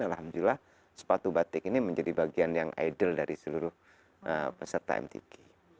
alhamdulillah sepatu batik ini menjadi bagian yang idle dari seluruh peserta mtg